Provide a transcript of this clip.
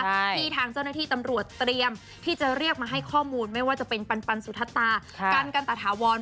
ที่ทางเจ้าหน้าที่ตำรวจเตรียมที่จะเรียกมาให้ข้อมูลไม่ว่าจะเป็นปันปันสุธตากันกันตะถาวร